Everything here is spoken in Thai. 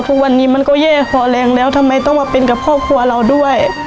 ทุกวันนี้มันก็แย่พอแรงแล้วทำไมต้องมาเป็นกับครอบครัวเราด้วย